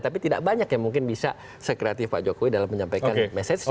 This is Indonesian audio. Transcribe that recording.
tapi tidak banyak yang mungkin bisa sekreatif pak jokowi dalam menyampaikan message nya